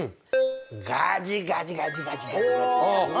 ガジガジガジガジガジ。